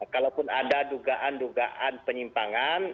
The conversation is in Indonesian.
kalaupun ada dugaan dugaan penyimpangan